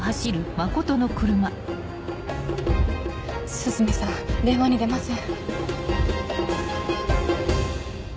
涼見さん電話に出ません。